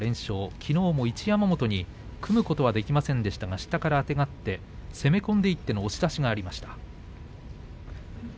きのうも一山本に組むことはできませんでしたが下からあてがって攻め込んでいっての押し出しがありました。